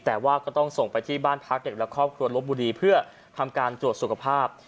แต่ว่าก็ต้องส่งไปที่บ้านพักเด็กและครอบครัวลบบุรีเพื่อทำการตรวจสุขภาพ